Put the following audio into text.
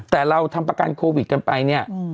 แต่เราทำประกันโควิดกันไปเนี่ย